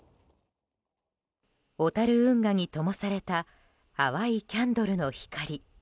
小樽運河にともされた淡いキャンドルの光。